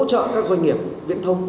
làm sao để hỗ trợ các doanh nghiệp viễn thông